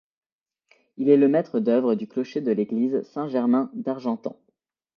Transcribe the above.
Il est le maître d'œuvre du clocher de l'église Saint-Germain d'Argentan.